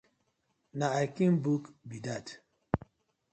Na Akin book bi dat.